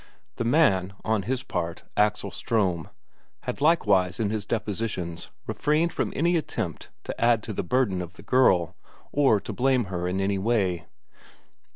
The man, on his part, Axel Ström, had likewise in his depositions refrained from any attempt to add to the burden of the girl, or to blame her in any way.